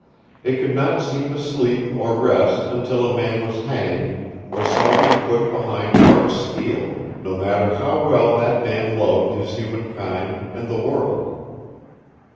It could not seem to sleep or rest until a man was hanged, or snugly put behind hard steel, no matter how well that man loved his human kind and the world.